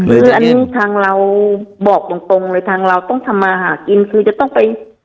คืออันนี้ทางเราบอกตรงเลยทางเราต้องทำมาหากินคือจะต้องไป